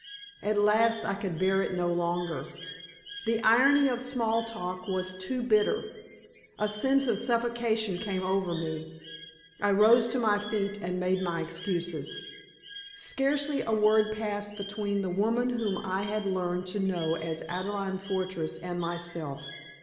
At last I could bear it no longer. The irony of small talk was too bitter. A sense of suffocation came over me. I rose to my feet and made my excuses. Scarcely a word passed between the woman whom I had learned to know as Adelaide Fortress and myself.